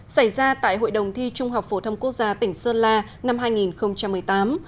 xảy ra tại hội đồng thi trung học phổ thông quốc gia tỉnh sơn la năm hai nghìn một mươi tám